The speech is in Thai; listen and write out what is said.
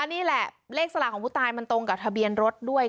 นี่แหละเลขสลากของผู้ตายมันตรงกับทะเบียนรถด้วย